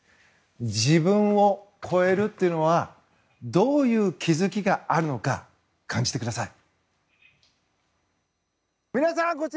自分を超えるというのはどういう気づきがあるのか感じてください。